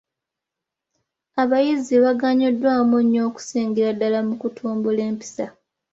Abayizi baganyuddwamu nnyo okusingira ddala mu kutumbula empisa.